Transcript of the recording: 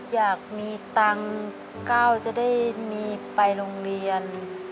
อยากมีตังค์ก้าวจะได้มีไปโรงเรียน